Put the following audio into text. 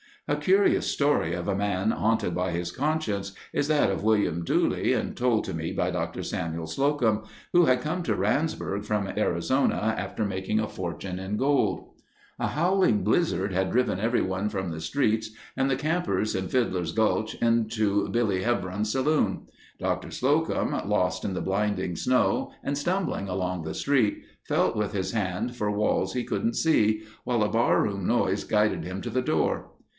A curious story of a man haunted by his conscience is that of William Dooley and told to me by Dr. Samuel Slocum, who had come to Randsburg from Arizona after making a fortune in gold. A howling blizzard had driven everyone from the streets and the campers in Fiddlers' Gulch into Billy Hevron's saloon. Dr. Slocum, lost in the blinding snow and stumbling along the street, felt with his hands for walls he couldn't see, while a barroom noise guided him to the door.